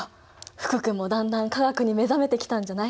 福君もだんだん化学に目覚めてきたんじゃない？